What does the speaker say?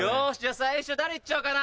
最初誰行っちゃおうかな。